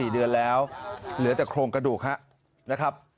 ๔เดือนแล้วเหลือแต่โครงกระดูกครับนะครับ